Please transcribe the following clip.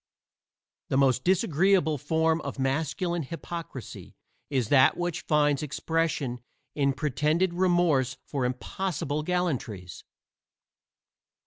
The most disagreeable form of masculine hypocrisy is that which finds expression in pretended remorse for impossible gallantries.